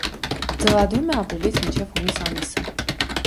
Ձվադրում է ապրիլից մինչև հունիս ամիսը։